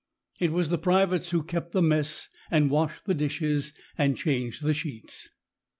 It was the privates who kept the mess and washed the dishes and changed the sheets.